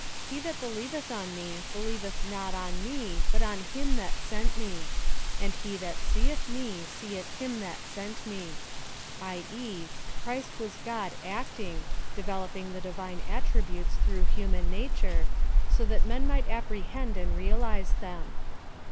He that believeth on me, believeth not on me, but on Him that sent me ; and he that seeth me, seeth Him that sent me :" i. e. Christ was God acting^ developing the divine attributes through human nature, so that men might apprehend aud realize them.